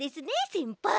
せんぱい。